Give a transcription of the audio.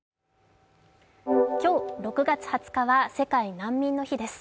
今日６月２０日は世界難民の日です。